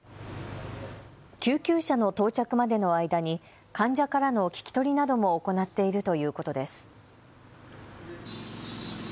救急車の到着までの間に患者からの聞き取りなども行っているということです。